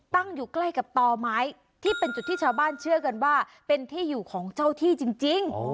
ตั้งอยู่ใกล้กับต่อไม้ที่เป็นจุดที่ชาวบ้านเชื่อกันว่าเป็นที่อยู่ของเจ้าที่จริง